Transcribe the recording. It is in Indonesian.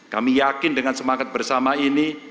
kami yakin dengan semangat bersama ini